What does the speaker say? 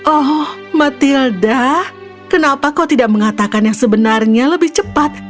oh matilda kenapa kau tidak mengatakan yang sebenarnya lebih cepat